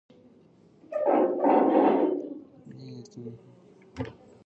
There it took part in the decisive Battle of Tali-Ihantala.